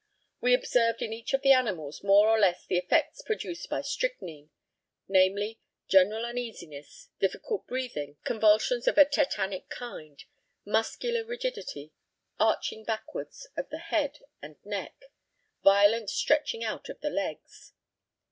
We observed in each of the animals more or less of the effects produced by strychnine namely, general uneasiness, difficult breathing, convulsions of a tetanic kind, muscular rigidity, arching backwards of the head and neck, violent stretching out of the legs.